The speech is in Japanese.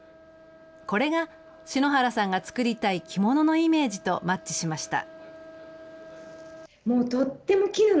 これが篠原さんが作りたい着物のイメージとマッチしました。